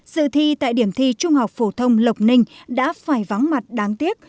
dự thi tại điểm thi trung học phổ thông lộc ninh đã phải vắng mặt đáng tiếc